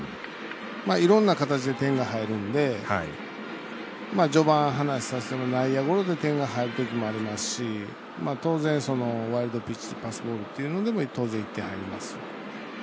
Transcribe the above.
いろんな形で点が入るんで序盤、話をさせてもらった内野ゴロで点が入ることもありますし当然、ワイルドピッチパスボールでも当然１点入ります。